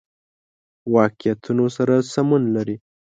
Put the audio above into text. واقعیتونو سره سمون لري.